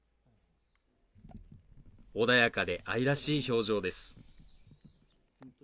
穏やかで愛らしい表情です。